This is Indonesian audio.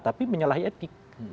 tapi itu menyalahi etik